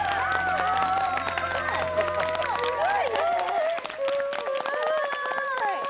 すごい！